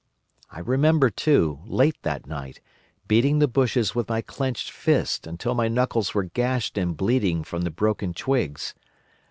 I remember, too, late that night, beating the bushes with my clenched fist until my knuckles were gashed and bleeding from the broken twigs.